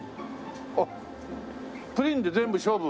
あっプリンで全部勝負？